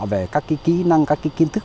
về các kỹ năng các kiến thức